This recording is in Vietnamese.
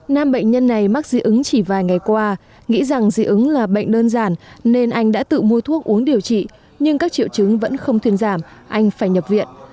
nam bệnh nhân này mắc dị ứng chỉ vài ngày qua nghĩ rằng dị ứng là bệnh đơn giản nên anh đã tự mua thuốc uống điều trị nhưng các triệu chứng vẫn không thuyên giảm anh phải nhập viện